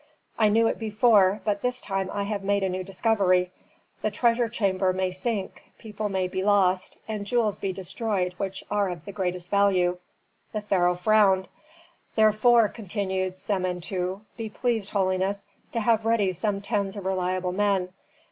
"I knew it before, but this time I have made a new discovery: the treasure chamber may sink, people may be lost, and jewels be destroyed which are of the greatest value." The pharaoh frowned. "Therefore," continued Samentu, "be pleased, holiness, to have ready some tens of reliable men.